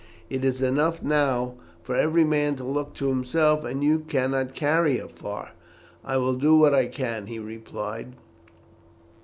It is enough now for every man to look to himself, and you cannot carry her far." "I will do what I can," he replied.